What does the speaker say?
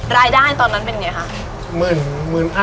รายได้ตอนนั้นเป็นไงคะ